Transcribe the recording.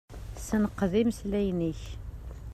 Senqed ismenyifen-ik.